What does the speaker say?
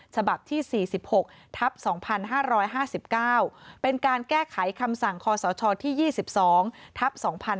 ฉบับที่๔๖ทับ๒๕๕๙เป็นการแก้ไขคำสั่งคศที่๒๒ทัพ๒๕๕๙